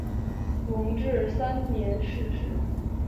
同治三年逝世。